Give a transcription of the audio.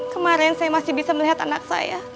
kemarin saya masih bisa melihat anak saya